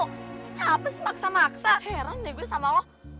kenapa sih maksa maksa heran deh gue sama lo